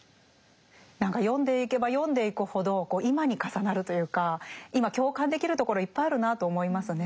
何か読んでいけば読んでいくほど今に重なるというか今共感できるところいっぱいあるなと思いますね。